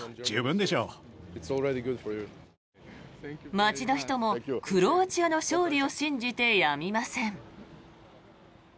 街の人もクロアチアの勝利を信じてやみません。